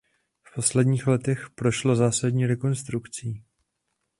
V posledních letech prošla zásadní rekonstrukcí.